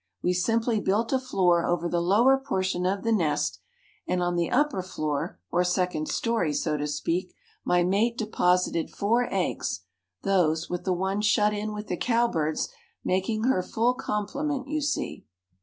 We simply built a floor over the lower portion of the nest, and on the upper floor, or second story, so to speak, my mate deposited four eggs, those, with the one shut in with the Cowbird's, making her full complement, you see."